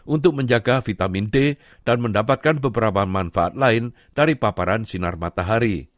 untuk menjaga vitamin d dan mendapatkan beberapa manfaat lain dari paparan sinar matahari